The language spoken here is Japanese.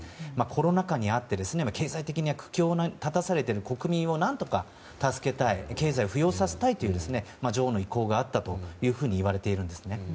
コロナ禍にあって、経済的に苦境に立たされている国民を何とか助けたい経済を浮揚させたいという女王の意向があったといわれているんです。